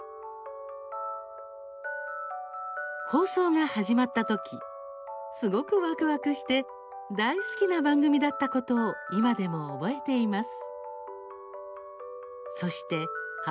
放送が始まったときすごくワクワクして大好きな番組だったことを今でも覚えています。